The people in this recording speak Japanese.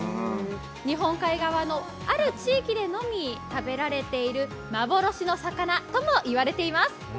日本海側のある地域でのみ食べられている幻の魚とも言われています。